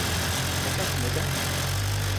Fakat neden?